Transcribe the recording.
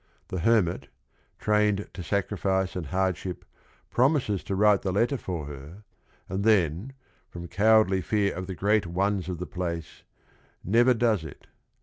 The hermit, trained to sacrifice and hardship, prom ises to write the letter for her, and then, from cowardly fear of the great ones of the place, never does it.